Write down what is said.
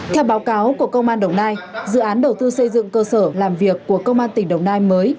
theo báo cáo của công an đồng nai dự án đầu tư xây dựng cơ sở làm việc của công an tỉnh đồng nai mới